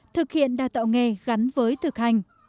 thực hiện đào tạo nghề gắn với thực hành